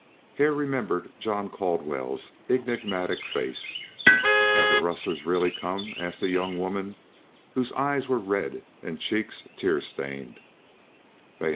Hare remembered John Caldwell's enigmatic face. "Have the rustlers really come?" asked a young woman, whose eyes were red and cheeks tear stained.